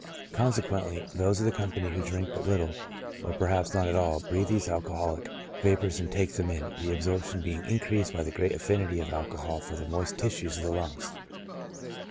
Con sequently, those of the company who drink but little, or perhaps not at all, breathe these alcoholic vapors and take them in, the absorption being increased by the great affinity of alcohol for the moist tissue of the lungs.